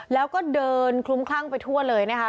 แล้วก็เดินคลุ้มคลั่งไปทั่วเลยนะคะ